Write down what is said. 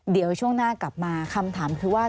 เดี๋ยวช่วงหน้ากลับมาคำถามคือว่า